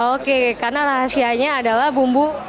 oke karena rahasianya adalah bumbu